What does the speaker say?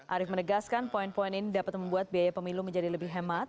arief menegaskan poin poin ini dapat membuat biaya pemilu menjadi lebih hemat